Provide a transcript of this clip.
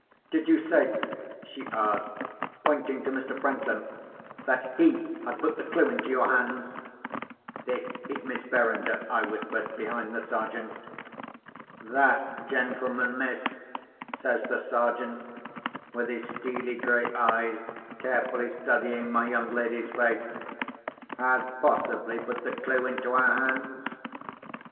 "Did you say," she asked, pointing to Mr. Franklin, "that he had put the clue into your hands?" ("This is Miss Verinder," I whispered, behind the Sergeant.) "That gentleman, miss," says the Sergeant—with his steely grey eyes carefully studying my young lady's face—"has possibly put the clue into our hands."